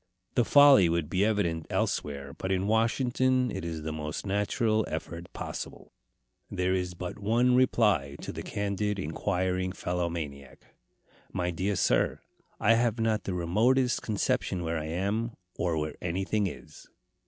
The folly would be evident elsewhere, but in Washington it is the most natural effort possible. There is but one reply to the candid and inquiring fellow maniac: "My dear sir, I have not the remotest conception where I am, or where anything is."